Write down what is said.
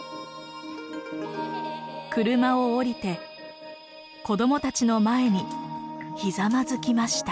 車を降りて子どもたちの前にひざまずきました。